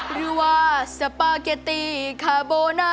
หรือว่าสปาเกตตี้คาโบน่า